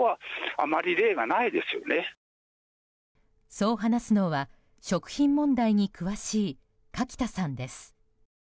そう話すのは食品問題に詳しい垣田さんです。